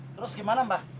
terus gimana mbak